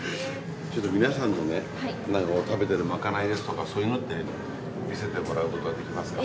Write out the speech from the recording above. ちょっとみなさんのね食べてるまかないですとかそういうのって見せてもらうことはできますか？